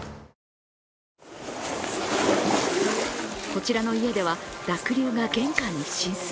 こちらの家では濁流が玄関に浸水。